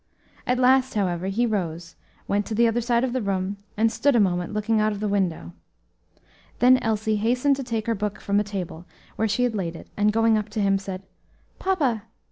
At last, however, he rose, went to the other side of the room, and stood a moment looking out of the window. Then Elsie hastened to take her book from a table, where she had laid it, and going up to him, said, "Papa!"